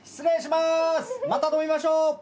また飲みましょう。